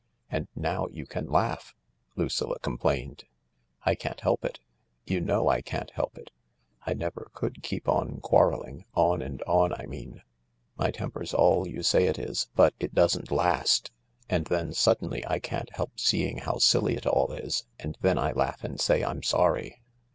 " And now you can laugh !" Lucilla complained. " I can't help it. You know I can't help it. I never could keep on quarrelling — on and on, I mean. My temper's all you say it is, but it doesn't last, and then suddenly I can't help seeing how silly it all is, and then I laugh and say I'm sorry."